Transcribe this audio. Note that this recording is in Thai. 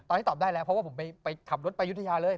ตอนนี้ตอบได้แล้วเพราะว่าผมไปขับรถไปยุธยาเลย